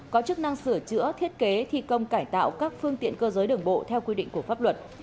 có chức năng sửa chữa thiết kế thi công cải tạo các phương tiện cơ giới đường bộ theo quy định của pháp luật